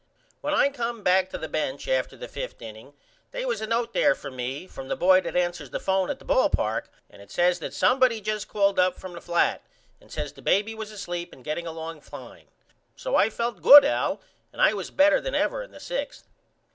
When I come to the bench after the 5th inning they was a note there for me from the boy that answers the phone at the ball park and it says that somebody just called up from the flat and says the baby was asleep and getting along fine. So I felt good Al and I was better than ever in the 6th.